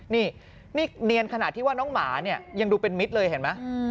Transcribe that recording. นี่นี่เนียนขนาดที่ว่าน้องหมาเนี่ยยังดูเป็นมิตรเลยเห็นไหม